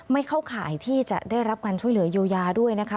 เข้าข่ายที่จะได้รับการช่วยเหลือเยียวยาด้วยนะคะ